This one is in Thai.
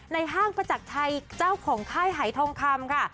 ห้างประจักรชัยเจ้าของค่ายหายทองคำค่ะ